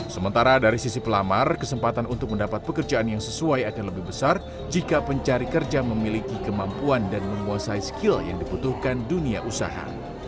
sementara dari sisi pelamar kesempatan untuk mendapat pekerjaan yang sesuai akan lebih besar jika pencari kerja memiliki kemampuan dan menguasai skill yang dibutuhkan dunia usaha